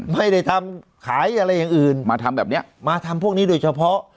ไม่ได้ทำขายอะไรอย่างอื่นมาทำแบบเนี้ยมาทำพวกนี้โดยเฉพาะ